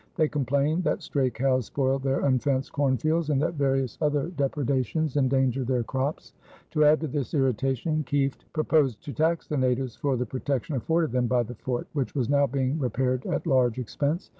They complained that stray cows spoiled their unfenced cornfields and that various other depredations endangered their crops. To add to this irritation Kieft proposed to tax the natives for the protection afforded them by the Fort, which was now being repaired at large expense.